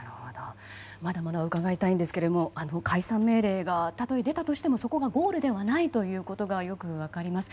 まだまだ伺いたいんですが解散命令がたとえ出たとしてもそこがゴールではないということがよく分かります。